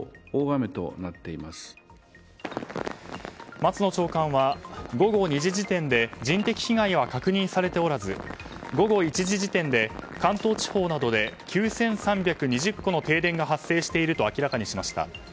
松野長官は午後２時時点で人的被害は確認されておらず午後１時時点で関東地方などで９３２０戸の停電が発生していると明らかにしました。